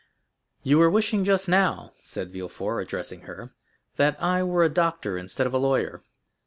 "You were wishing just now," said Villefort, addressing her, "that I were a doctor instead of a lawyer.